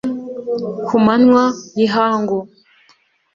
ku manywa y'ihangu